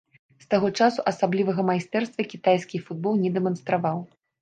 З таго часу асаблівага майстэрства кітайскі футбол не дэманстраваў.